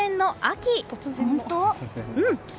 うん。